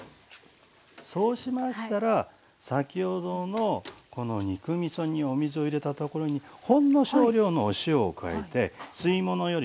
そうしましたら先ほどのこの肉みそにお水を入れたところにほんの少量のお塩を加えて吸い物より濃いめ。